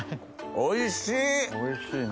おいしいな。